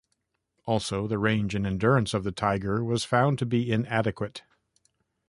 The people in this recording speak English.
Also, the range and endurance of the "Tiger" was found to be inadequate.